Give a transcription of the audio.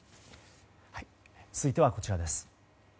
続いては、こちらです。